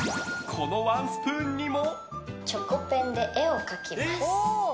このワンスプーンにも。